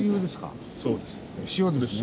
そうです。